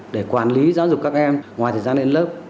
để quản lý giáo dục các em ngoài thời gian lên lớp